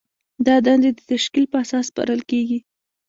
دا دندې د تشکیل په اساس سپارل کیږي.